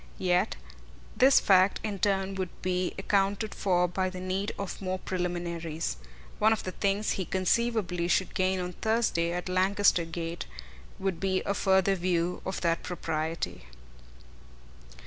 Yet this fact in turn would be accounted for by the need of more preliminaries. One of the things he conceivably should gain on Thursday at Lancaster Gate would be a further view of that propriety.